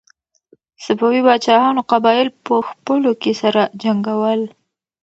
صفوي پاچاهانو قبایل په خپلو کې سره جنګول.